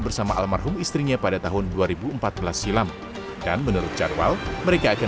ini siapa saja yang dibatalkan